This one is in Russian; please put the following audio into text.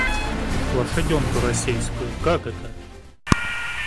Лошаденку рассейскую, как это?